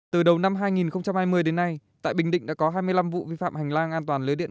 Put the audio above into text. từ đầu năm hai nghìn hai mươi đến nay tại bình định đã có hai mươi năm vụ vi phạm hành lang an toàn lưới điện